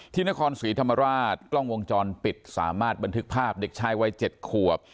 ที่นครศรีธรรมราชกล้องวงจรปิดสามารถบันทึกภาพเด็กชายวัย๗ขวบ